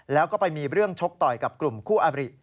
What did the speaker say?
แล้วก็ไปมีเรื่องชกต่อยกับกลุ่มคู่อบริ